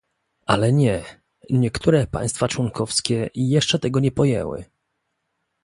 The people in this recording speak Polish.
Ale nie - niektóre państwa członkowskie jeszcze tego nie pojęły